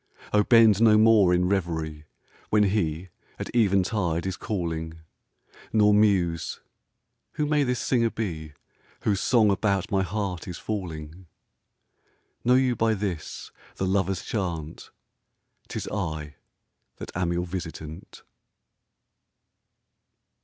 O bend no more in revery When he at eventide is calling, Nor muse : Who may this singer be Whose song about my heart is falling ? Know you by this, the lover*s chant, 'Tis I that am your visitant.